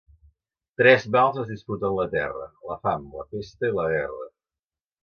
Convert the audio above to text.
Tres mals es disputen la terra: la fam, la pesta i la guerra.